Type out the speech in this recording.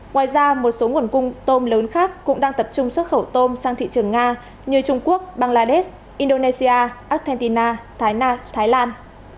ngoài ra một số nguồn cung tôm lớn khác cũng đang tập trung xuất khẩu tôm sang thị trường nga như trung quốc bangladesh indonesia argentina tháina thái lan